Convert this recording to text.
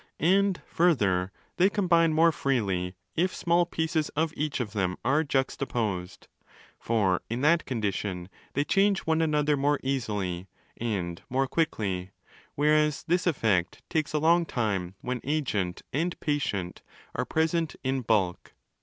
And, further, they combine more freely if small pieces of each of them are juxtaposed. For in that condition they change one another more easily 35 and more quickly; whereas this effect takes a long time when agent and patient are present in bulk.